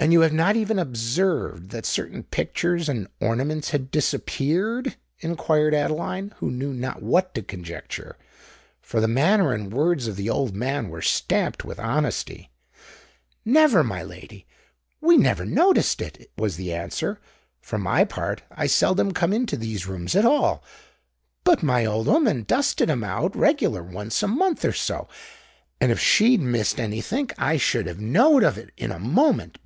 "And you have not even observed that certain pictures and ornaments had disappeared?" inquired Adeline, who knew not what to conjecture—for the manner and words of the old man were stamped with honesty. "Never, my lady—we never noticed it," was the answer. "For my part, I seldom come into these rooms at all: but my old 'ooman dusted 'em out reglar once a month or so; and if she'd missed anythink I should have knowed of it in a moment.